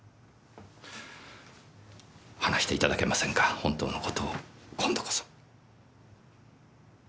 話していただけませんか本当の事を今度こそ。